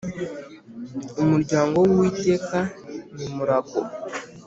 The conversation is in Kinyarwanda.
umuryango w ‘ Uwiteka nimurago.